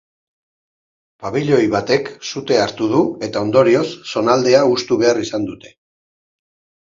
Pabilio batek sute hartu du eta ondorioz, zonaldea hustu behar izan dute.